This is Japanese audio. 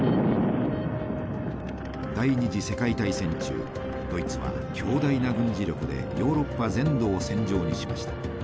第二次世界大戦中ドイツは強大な軍事力でヨーロッパ全土を戦場にしました。